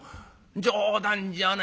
冗談じゃない。